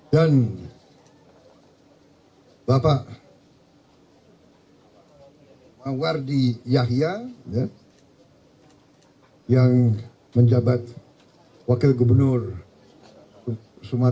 dan bapak mawardi yahya yang menjabat wakil gubernur sumatera selatan